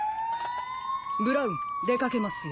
ブラウンでかけますよ。